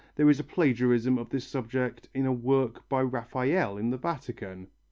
There is a plagiarism of this subject in a work by Raphael in the Vatican.